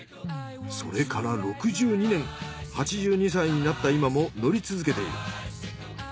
それから６２年８２歳になった今も乗り続けている。